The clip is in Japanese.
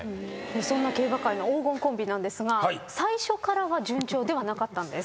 そんな競馬界の黄金コンビなんですが最初からは順調ではなかったんです。